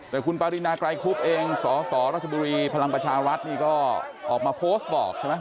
แต่คุณปรินาไกรคุบเองสสรัชบุรีพลังประชารัฐนี่ก็ออกมาโพสต์บอกใช่ไหม